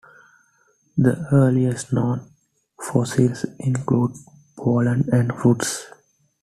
The earliest known fossils include pollen and fruits.